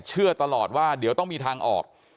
เชื่อตลอดว่าเดี๋ยวต้องมีทางออก